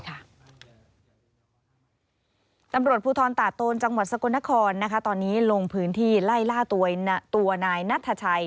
ตำรวจภูทรตาโตนจังหวัดสกลนครตอนนี้ลงพื้นที่ไล่ล่าตัวนายนัทชัย